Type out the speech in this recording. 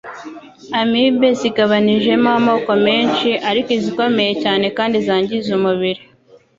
Amibe zigabanijemo amoko menshi ariko izikomeye cyane kandi zangiza umubiri